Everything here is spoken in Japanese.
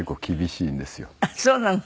ああそうなの？